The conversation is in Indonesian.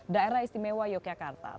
daerah istimewa yogyakarta